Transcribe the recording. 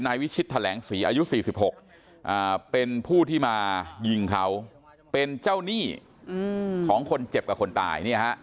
วิชิตแถลงศรีอายุ๔๖เป็นผู้ที่มายิงเขาเป็นเจ้าหนี้ของคนเจ็บกับคนตาย